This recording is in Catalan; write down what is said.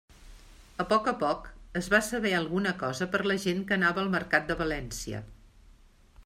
A poc a poc es va saber alguna cosa per la gent que anava al mercat de València.